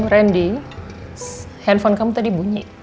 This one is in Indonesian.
randy handphone kamu tadi bunyi